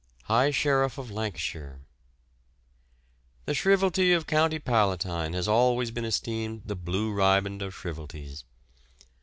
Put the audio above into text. HIGH SHERIFF OF LANCASHIRE. The shrievalty of the County Palatine has always been esteemed the blue riband of shrievalties.